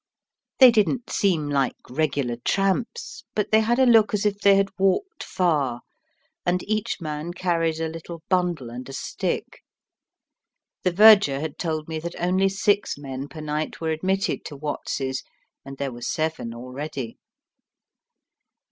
They didn't seem like regular tramps, but they had a look as if they had walked far, and each man carried a little bundle and a stick. The verger had told me that only six men per night were admitted to Watts's, and there were seven already.